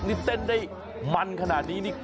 นี่เต้นได้มันขนาดนี้นี่